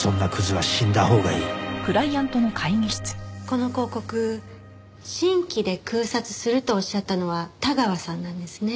この広告新規で空撮するとおっしゃったのは田川さんなんですね。